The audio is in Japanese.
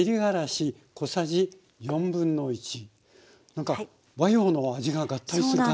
何か和洋の味が合体する感じ。